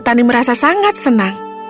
petani merasa sangat senang